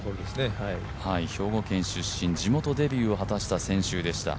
兵庫県出身、地元デビューを果たした先週でした。